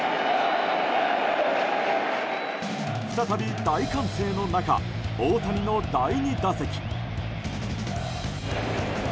再び大歓声の中大谷の第２打席。